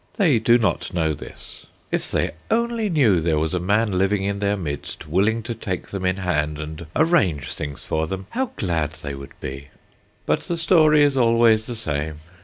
They do not know this. If they only knew there was a man living in their midst willing to take them in hand and arrange things for them, how glad they would be. But the story is always the same.